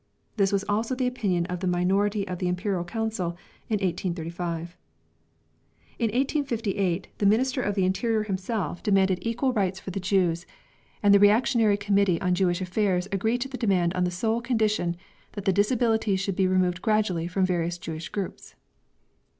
This was also the opinion of the minority of the Imperial Council in 1835. In 1858, the Minister of the Interior himself demanded equal rights for the Jews, and the reactionary Committee on Jewish affairs agreed to the demand on the sole condition that the disabilities should be removed gradually, from various Jewish groups.